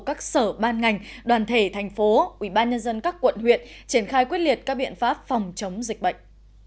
các sở ban ngành đoàn thể thành phố ubnd các quận huyện triển khai quyết liệt các biện pháp phòng chống dịch bệnh